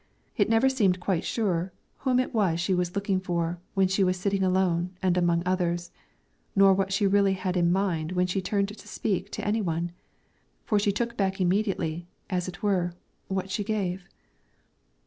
It never seemed quite sure whom it was she was looking for when she was sitting alone and among others, nor what she really had in mind when she turned to speak to any one, for she took back immediately, as it were, what she gave.